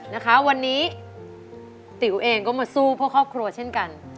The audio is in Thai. นะคะวันนี้ติ๋วเองก็มาสู้เพื่อครอบครัวเช่นกัน